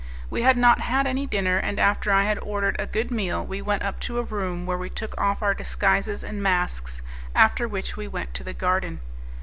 We had not had any dinner, and after I had ordered a good meal we went up to a room where we took off our disguises and masks, after which we went to the garden.